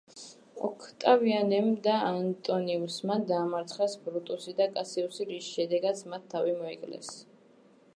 ოქტავიანემ და ანტონიუსმა დაამარცხეს ბრუტუსი და კასიუსი, რის შემდეგაც მათ თავი მოიკლეს.